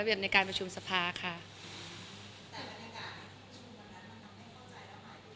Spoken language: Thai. แต่วันยาการประชุมวันนั้นมันทำให้เข้าใจเรามาอยู่